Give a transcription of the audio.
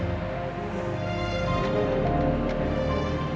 hingga jika tidak mendorong